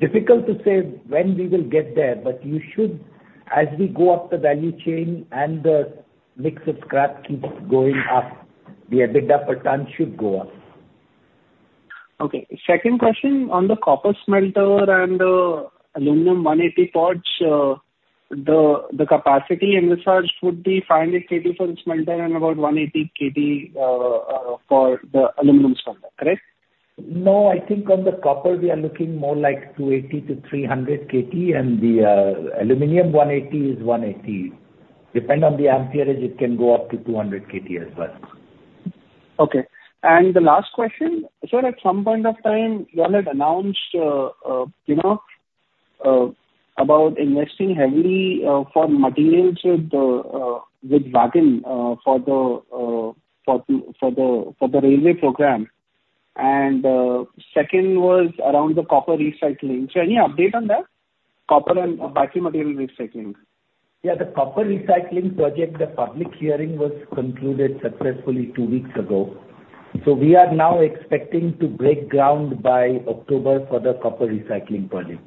difficult to say when we will get there, but you should, as we go up the value chain and the mix of scrap keeps going up, the EBITDA per ton should go up. Okay. Second question, on the copper smelter and aluminum 180 pots, the capacity in research would be 500 KT for the smelter and about 180 KT for the aluminum smelter, correct? No, I think on the copper, we are looking more like 280-300 KT, and the aluminum 180 is 180. Depending on the amperage, it can go up to 200 KT as well. Okay. And the last question: Sir, at some point of time, you all had announced, you know, about investing heavily for materials with wagon for the railway program. And second was around the copper recycling. So any update on that, copper and battery material recycling? Yeah, the copper recycling project, the public hearing was concluded successfully two weeks ago. So we are now expecting to break ground by October for the copper recycling project.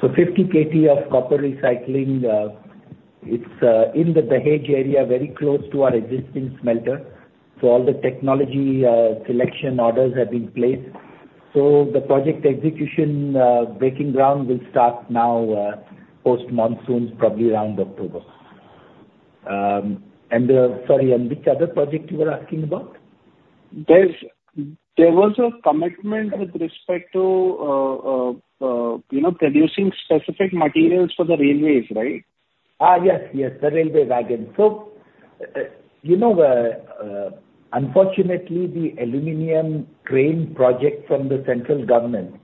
So 50 KT of copper recycling, it's in the Dahej area, very close to our existing smelter. So all the technology selection orders have been placed. So the project execution, breaking ground will start now, post-monsoons, probably around October. And, sorry, and which other project you were asking about? There was a commitment with respect to, you know, producing specific materials for the railways, right? Yes, yes, the railway wagon. So, you know, unfortunately, the aluminum train project from the central government,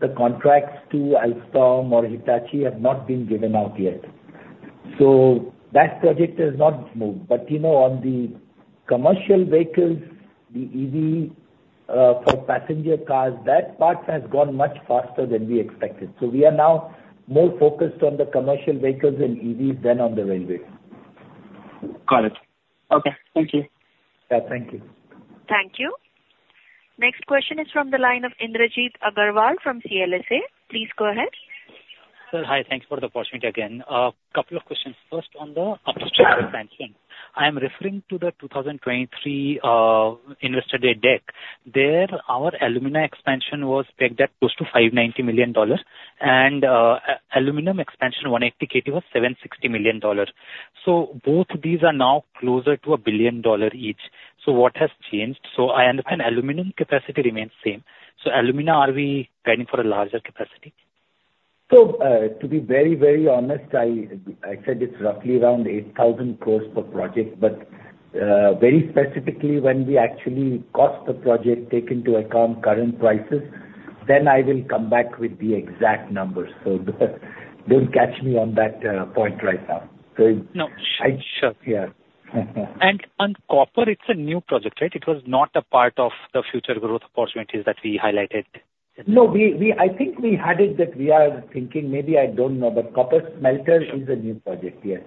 the contracts to Alstom or Hitachi have not been given out yet. So that project has not moved. But, you know, on the commercial vehicles, the EV, for passenger cars, that part has gone much faster than we expected. So we are now more focused on the commercial vehicles and EVs than on the railway. Got it. Okay, thank you. Yeah, thank you. Thank you. Next question is from the line of Indrajeet Agarwal from CLSA. Please go ahead. Sir, hi, thanks for the opportunity again. Couple of questions. First, on the upstream expansion. I am referring to the 2023 Investor Day deck. There, our alumina expansion was pegged at close to $590 million, and aluminum expansion, 180 KT, was $760 million. So both these are now closer to $1 billion each. So what has changed? So I understand aluminum capacity remains same. So alumina, are we planning for a larger capacity? ... So, to be very, very honest, I said it's roughly around 8,000 crore per project, but very specifically, when we actually cost the project, take into account current prices, then I will come back with the exact numbers. So don't catch me on that point right now. No, sure, sure. Yeah. On copper, it's a new project, right? It was not a part of the future growth opportunities that we highlighted. No, we—I think we had it that we are thinking, maybe, I don't know, but copper smelter is a new project, yes.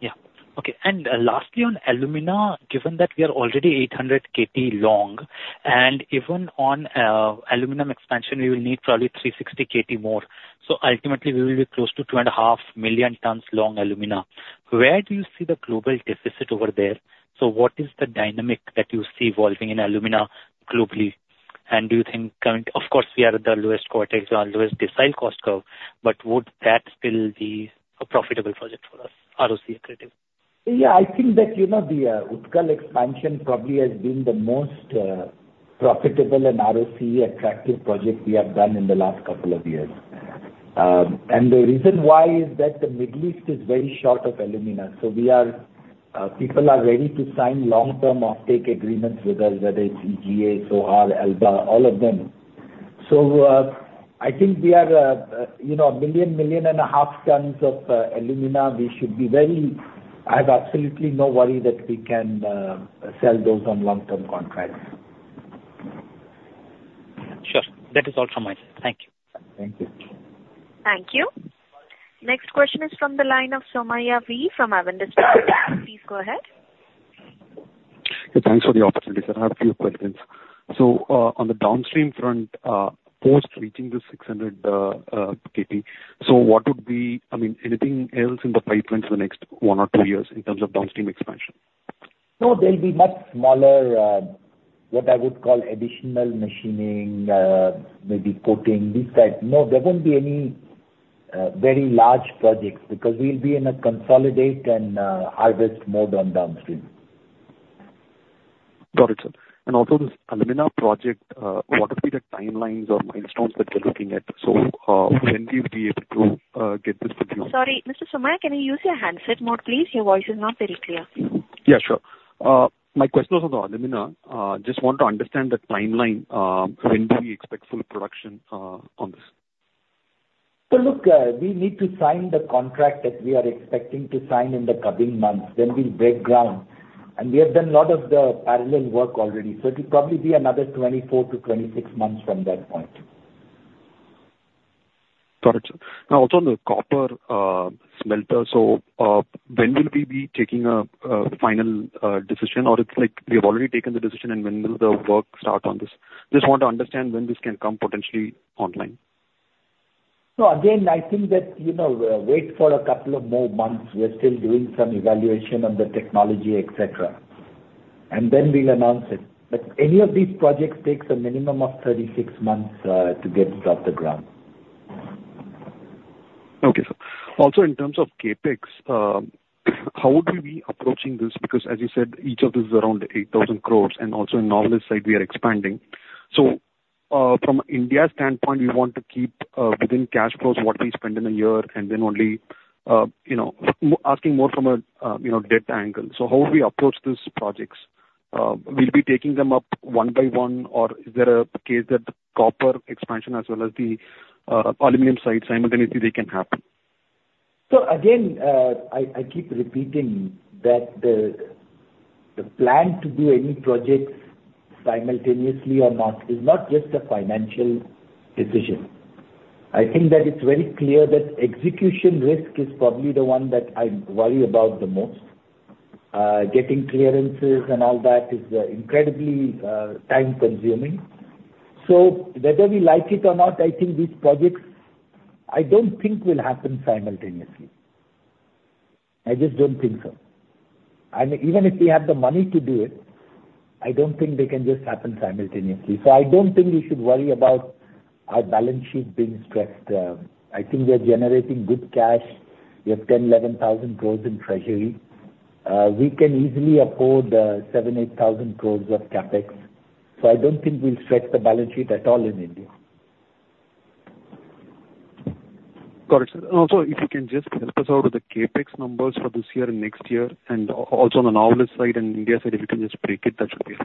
Yeah. Okay, and lastly on alumina, given that we are already 800 KT long, and even on aluminum expansion, we will need probably 360 KT more. So ultimately, we will be close to 2.5 million tons long alumina. Where do you see the global deficit over there? So what is the dynamic that you see evolving in alumina globally, and do you think, I mean, of course, we are at the lowest quartile, lowest decile cost curve, but would that still be a profitable project for us, ROCE accredited? Yeah, I think that, you know, the Utkal expansion probably has been the most profitable and ROCE attractive project we have done in the last couple of years. And the reason why is that the Middle East is very short of alumina. So, people are ready to sign long-term offtake agreements with us, whether it's EGA, Sohar, Alba, all of them. So, I think we have, you know, 1 million, 1.5 million tons of alumina. We should be very... I have absolutely no worry that we can sell those on long-term contracts. Sure. That is all from my side. Thank you. Thank you. Thank you. Next question is from the line of Somaiah V from Avendus Capital. Please go ahead. Thanks for the opportunity, sir. I have a few questions. So, on the downstream front, post reaching the 600 KT, so what would be—I mean, anything else in the pipeline for the next one or two years in terms of downstream expansion? No, there'll be much smaller, what I would call additional machining, maybe coating, these types. No, there won't be any very large projects because we'll be in a consolidate and harvest mode on downstream. Got it, sir. And also, this alumina project, what are the timelines or milestones that you're looking at? So, when will you be able to get this to you? Sorry, Mr. Somaiah, can you use your handset mode, please? Your voice is not very clear. Yeah, sure. My question was on alumina. Just want to understand the timeline, when do we expect full production, on this? So look, we need to sign the contract that we are expecting to sign in the coming months, then we'll break ground. We have done a lot of the parallel work already, so it'll probably be another 24-26 months from that point. Got it. Now, also on the copper smelter, so, when will we be taking a final decision, or it's like we have already taken the decision, and when will the work start on this? Just want to understand when this can come potentially online. So again, I think that, you know, wait for a couple of more months. We're still doing some evaluation on the technology, et cetera, and then we'll announce it. But any of these projects takes a minimum of 36 months to get off the ground. Okay, sir. Also, in terms of CapEx, how would we be approaching this? Because as you said, each of this is around 8,000 crore, and also in Novelis side, we are expanding. So, from India standpoint, we want to keep, within cash flows, what we spend in a year, and then only, you know, asking more from a, you know, debt angle. So how do we approach these projects? We'll be taking them up one by one, or is there a case that the copper expansion as well as the, aluminum side, simultaneously they can happen? So again, I keep repeating that the plan to do any projects simultaneously or not is not just a financial decision. I think that it's very clear that execution risk is probably the one that I worry about the most. Getting clearances and all that is incredibly time-consuming. So whether we like it or not, I think these projects, I don't think will happen simultaneously. I just don't think so. And even if we have the money to do it, I don't think they can just happen simultaneously. So I don't think we should worry about our balance sheet being stressed. I think we are generating good cash. We have 10,000 crore-11,000 crore in treasury. We can easily afford 7,000 crore-8,000 crore of CapEx, so I don't think we'll stretch the balance sheet at all in India. Got it, sir. And also, if you can just help us out with the CapEx numbers for this year and next year, and also on the Novelis side and India side, if you can just break it, that should be it.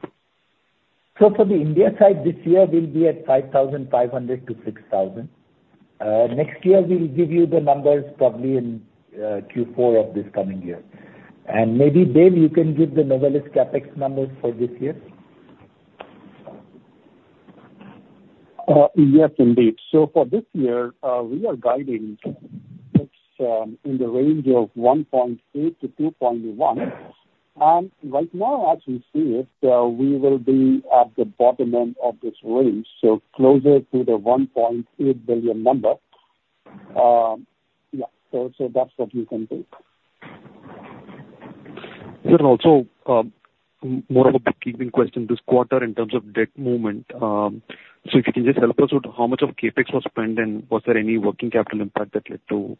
So for the India side, this year, we'll be at 5,500-6,000. Next year, we'll give you the numbers probably in Q4 of this coming year. And maybe, Dev, you can give the Novelis CapEx numbers for this year. Yes, indeed. For this year, we are guiding it's in the range of $1.8 billion-$2.1 billion. Right now, as we see it, we will be at the bottom end of this range, so closer to the $1.8 billion number. So that's what you can take. And also, more of a bookkeeping question, this quarter in terms of debt movement, so if you can just help us with how much of CapEx was spent, and was there any working capital impact that led to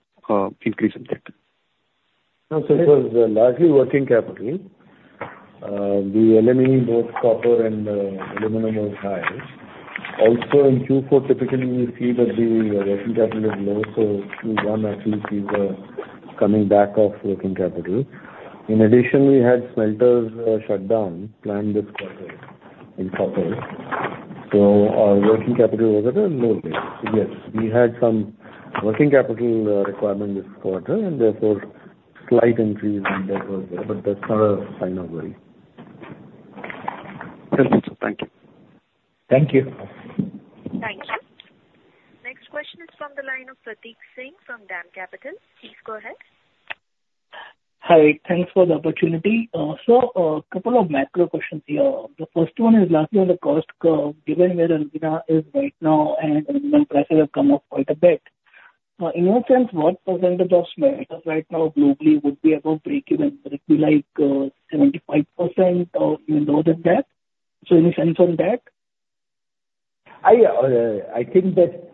increase in debt?... No, so it was largely working capital. The LME, both copper and aluminum was high. Also in Q4, typically, we see that the working capital is low, so Q1 actually sees a coming back of working capital. In addition, we had smelters shut down, planned this quarter in copper. So our working capital was at a low rate. Yes, we had some working capital requirement this quarter, and therefore slight increase in debt was there, but that's not a sign of worry. Understood, sir. Thank you. Thank you. Thank you. Next question is from the line of Pratik Singh from DAM Capital. Please go ahead. Hi, thanks for the opportunity. So, couple of macro questions here. The first one is lastly on the cost curve, given where alumina is right now and aluminum prices have come up quite a bit, in that sense, what percentage of smelters right now globally would be above breakeven? Would it be like, seventy-five percent or even lower than that? So any sense on that? I, I think that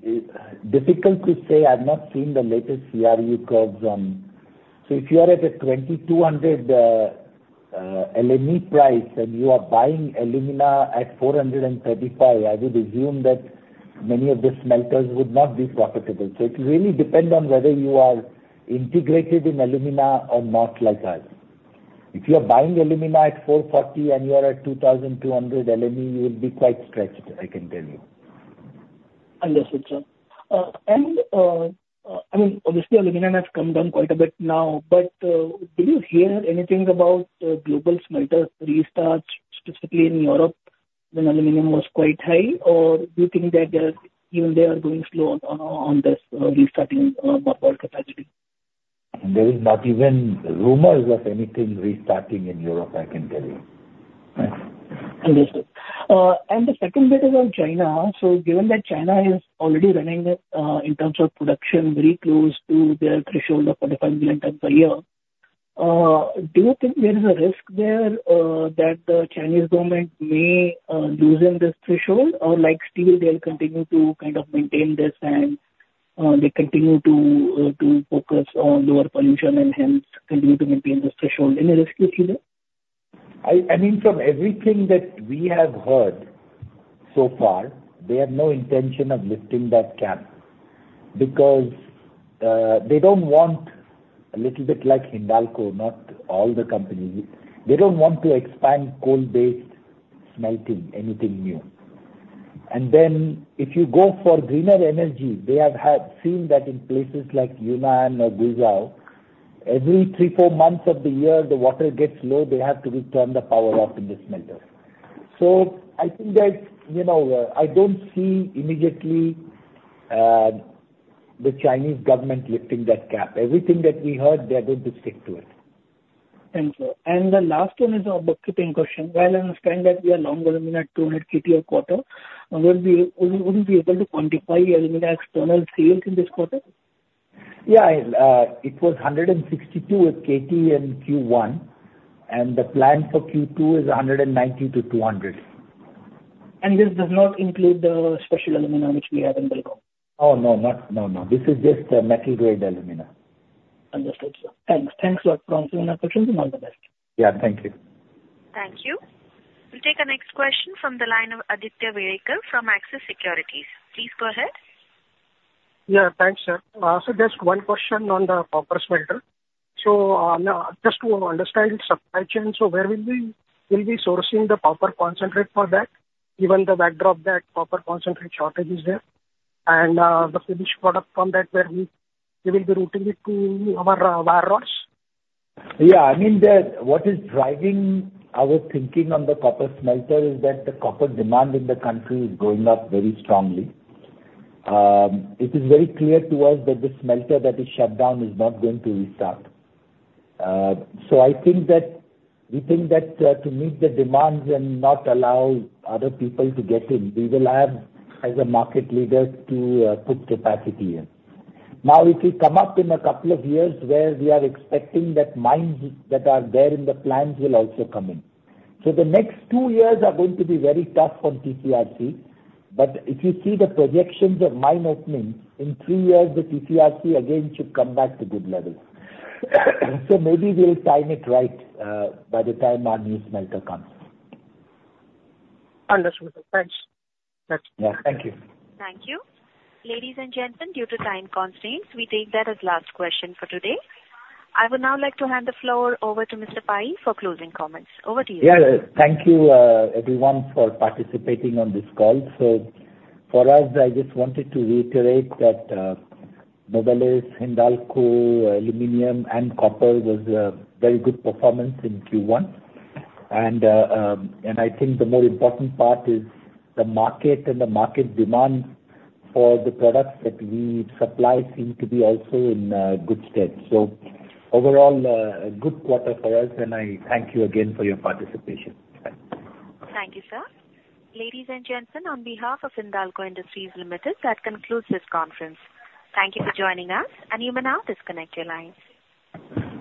it's difficult to say. I've not seen the latest CRU curves. So if you are at a $2,200 LME price, and you are buying alumina at $435, I would assume that many of the smelters would not be profitable. So it really depend on whether you are integrated in alumina or not like us. If you are buying alumina at $440 and you are at $2,200 LME, you will be quite stretched, I can tell you. Understood, sir. And, I mean, obviously, alumina has come down quite a bit now, but did you hear anything about global smelter restarts, specifically in Europe, when aluminum was quite high? Or do you think that they are, even they are going slow on this restarting more capacity? There is not even rumors of anything restarting in Europe, I can tell you. Right. Understood. And the second bit is on China. So given that China is already running at, in terms of production, very close to their threshold of 45 million tons a year, do you think there is a risk there, that the Chinese government may loosen this threshold? Or like steel, they'll continue to kind of maintain this and, they continue to focus on lower pollution and hence continue to maintain this threshold. Any risk you feel there? I mean, from everything that we have heard so far, they have no intention of lifting that cap. Because they don't want, a little bit like Hindalco, not all the companies, they don't want to expand coal-based smelting anything new. And then if you go for greener energy, they have seen that in places like Yunnan or Guizhou, every three, four months of the year, the water gets low, they have to turn the power off in the smelter. So I think there's, you know, I don't see immediately the Chinese government lifting that cap. Everything that we heard, they're going to stick to it. Thank you. And the last one is a bookkeeping question. While I understand that we are long alumina, 200 KT a quarter, would we be able to quantify alumina external sales in this quarter? Yeah, it was 162 KT in Q1, and the plan for Q2 is 190-200. This does not include the special alumina which we have in Belagavi? Oh, no, not... No, no. This is just the metal grade alumina. Understood, sir. Thanks. Thanks for answering my questions, and all the best. Yeah, thank you. Thank you. We'll take our next question from the line of Aditya Welekar from Axis Securities. Please go ahead. Yeah, thanks, sir. So just one question on the copper smelter. So, just to understand supply chain, so where will we, we'll be sourcing the copper concentrate for that, given the backdrop that copper concentrate shortage is there? And, the finished product from that, where we, we will be routing it to our, wire rods? Yeah, I mean, the, what is driving our thinking on the copper smelter is that the copper demand in the country is going up very strongly. It is very clear to us that the smelter that is shut down is not going to restart. So I think that, we think that, to meet the demands and not allow other people to get in, we will have, as a market leader, to, put capacity in. Now, if we come up in a couple of years where we are expecting that mines that are there in the plans will also come in. So the next two years are going to be very tough on TCRC, but if you see the projections of mine openings, in three years, the TCRC again should come back to good levels. So maybe we'll time it right, by the time our new smelter comes. Understood, sir. Thanks. That's- Yeah. Thank you. Thank you. Ladies and gentlemen, due to time constraints, we take that as last question for today. I would now like to hand the floor over to Mr. Pai for closing comments. Over to you. Yeah, thank you, everyone, for participating on this call. So for us, I just wanted to reiterate that, Novelis, Hindalco, aluminium and copper was a very good performance in Q1. And, and I think the more important part is the market and the market demand for the products that we supply seem to be also in, good stead. So overall, a good quarter for us, and I thank you again for your participation. Thanks. Thank you, sir. Ladies and gentlemen, on behalf of Hindalco Industries Limited, that concludes this conference. Thank you for joining us, and you may now disconnect your lines.